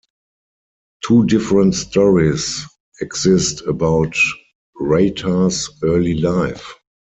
Two different stories exist about Rheita's early life.